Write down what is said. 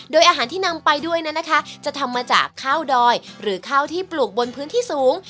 โดยอาหารที่นำไปด้วยนั้นนะคะจะทำมาจากข้าวดอยหรือข้าวที่ปลูกบนพื้นที่สูง